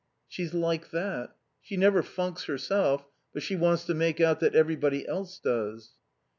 "She's like that. She never funks herself, but she wants to make out that everybody else does."